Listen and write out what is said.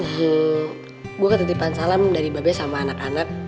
hee gua ketitipan salam dari mbak be sama anak anak